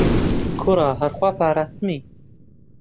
کوڕە هەر خوا پاراستمی